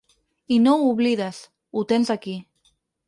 I no ho oblides, ho tens aquí.